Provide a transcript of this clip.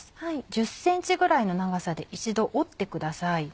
１０ｃｍぐらいの長さで一度折ってください。